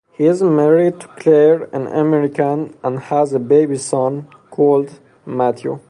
He is married to Claire, an American, and has a baby son called Matthew.